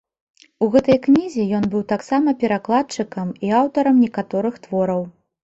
У гэтай кнізе ён быў таксама перакладчыкам і аўтарам некаторых твораў.